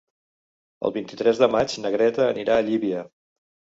El vint-i-tres de maig na Greta anirà a Llívia.